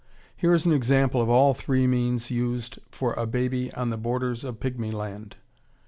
Here is an example of all three means used for a baby on the borders of Pigmy Land.